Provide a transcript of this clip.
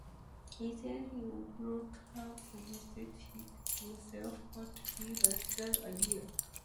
He said he would not have suggested it himself, but he liked the idea.